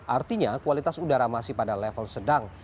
artinya kualitas udara masih pada level sedang